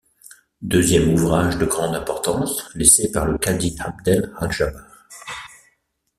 Deuxième ouvrage de grande importance laissé par le Qadi Abdel al Jabbar.